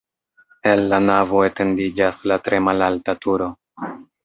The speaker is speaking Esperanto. El la navo etendiĝas la tre malalta turo.